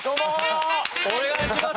お願いします。